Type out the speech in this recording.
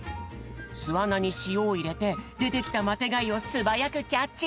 すあなにしおをいれてでてきたマテがいをすばやくキャッチ！